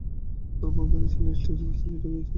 তারপর গাড়ি চালিয়ে স্টোরেজ ফ্যাসিলিটিতে গিয়েছি।